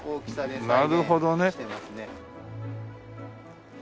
なるほど。